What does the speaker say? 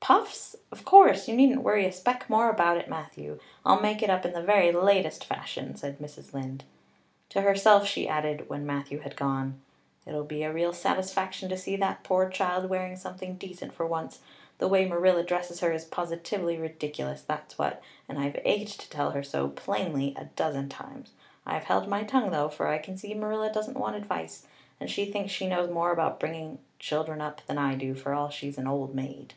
"Puffs? Of course. You needn't worry a speck more about it, Matthew. I'll make it up in the very latest fashion," said Mrs. Lynde. To herself she added when Matthew had gone: "It'll be a real satisfaction to see that poor child wearing something decent for once. The way Marilla dresses her is positively ridiculous, that's what, and I've ached to tell her so plainly a dozen times. I've held my tongue though, for I can see Marilla doesn't want advice and she thinks she knows more about bringing children up than I do for all she's an old maid.